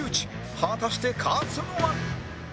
果たして勝つのは？